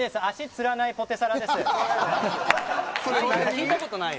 聞いたことない。